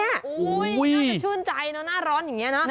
น่าจะชื่นใจหน้าร้อนอยู่เนี่ย